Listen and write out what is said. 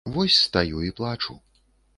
Вось стаю і плачу.